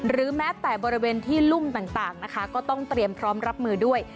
แม้แต่บริเวณที่รุ่มต่างนะคะก็ต้องเตรียมพร้อมรับมือด้วย